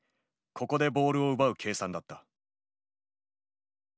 ここでボールを奪う計算だった。